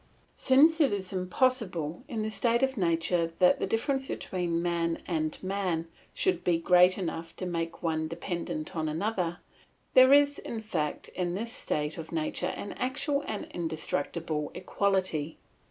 Since it is impossible in the state of nature that the difference between man and man should be great enough to make one dependent on another, there is in fact in this state of nature an actual and indestructible equality.